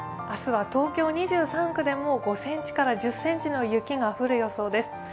明日は東京２３区でも５ｃｍから１０ｃｍの雪が降る予想です。